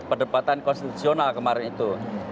perdebatan konstitusional kemarin itu